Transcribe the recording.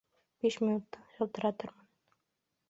Биш минуттан шылтыратырмын